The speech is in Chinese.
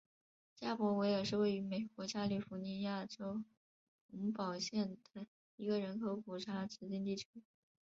加伯维尔是位于美国加利福尼亚州洪堡县的一个人口普查指定地区。